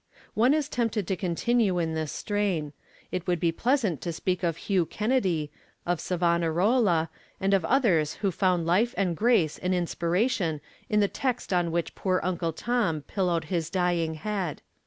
III One is tempted to continue in this strain. It would be pleasant to speak of Hugh Kennedy, of Savonarola, and of others who found life and grace and inspiration in the text on which poor Uncle Tom pillowed his dying head.